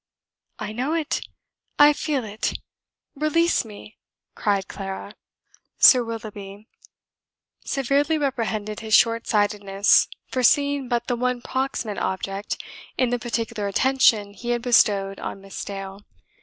"I know it, I feel it release me!" cried Clara. Sir Willoughby severely reprehended his short sightedness for seeing but the one proximate object in the particular attention he had bestowed on Miss Dale.